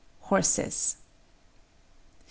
HORSES. Mr.